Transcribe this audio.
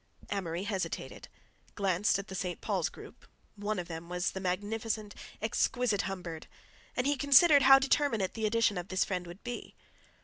Amory hesitated, glanced at the St. Paul's group—one of them was the magnificent, exquisite Humbird—and he considered how determinate the addition of this friend would be.